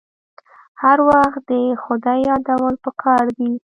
هر وخت د خدای یادول پکار دي.